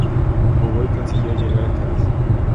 Fugó y consiguió llegar a Cádiz.